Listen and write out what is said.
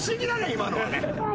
今のはね。